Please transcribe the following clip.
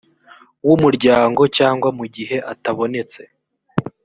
w umuryango cyangwa mu gihe atabonetse